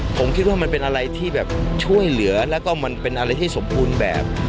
ผมคิดว่ามันเป็นอะไรที่แบบช่วยเหลือแล้วก็มันเป็นอะไรที่สมบูรณ์แบบ